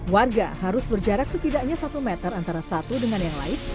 warga harus berjarak setidaknya satu meter antara satu dengan yang lain